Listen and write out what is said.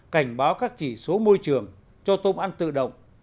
cảnh báo các chỉ số môi trường cho tôm ăn tự động